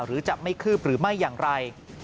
หรือจะไม่คืบหรือไม่อย่างไร